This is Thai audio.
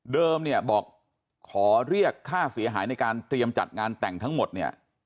เนี่ยบอกขอเรียกค่าเสียหายในการเตรียมจัดงานแต่งทั้งหมดเนี่ย